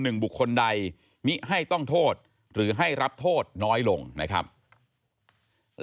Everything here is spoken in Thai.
นึงบุญฐานนี้ให้ต้องโทษหรือให้รับโทษน้อยลงนะครับแล้วก็ล่าสุดครับ